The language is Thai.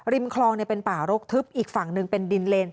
คลองเป็นป่ารกทึบอีกฝั่งหนึ่งเป็นดินเลน